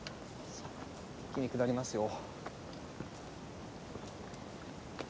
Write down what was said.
一気に下りますよ。